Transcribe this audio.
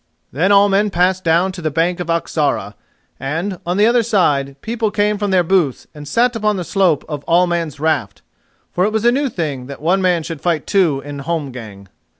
Then all men passed down to the bank of Oxarà, and, on the other side, people came from their booths and sat upon the slope of All Man's Raft, for it was a new thing that one man should fight two in holmgang.